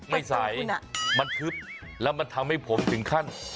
ไม่ใสมันทึบแล้วมันทำให้ผมถึงขั้น